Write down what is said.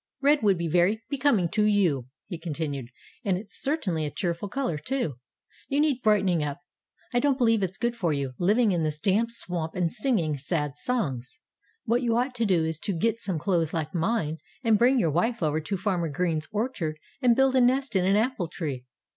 "Red would be very becoming to you," he continued. "And it's certainly a cheerful color, too. You need brightening up. I don't believe it's good for you, living in this damp swamp and singing sad songs. What you ought to do is to get some clothes like mine and bring your wife over to Farmer Green's orchard and build a nest in an apple tree....